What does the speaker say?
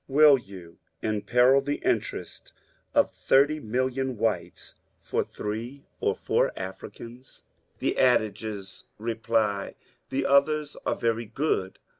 ..•^^ Will you imperil the interests of thirty millions of whites for three or four of Africans ?" The adages, reply the others, are very good.